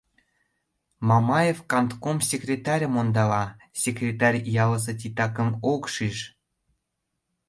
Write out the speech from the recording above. Мамаев кантком секретарьым ондала, секретарь ялысе титакым ок шиж.